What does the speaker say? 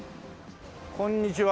こんにちは。